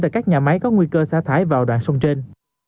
tại các nhà máy có nguy cơ xa thải vào đoạn sông trên